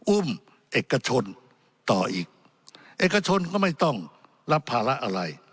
อุ้มเอกชนต่ออีกเอกชนก็ไม่ต้องรับภาระอะไร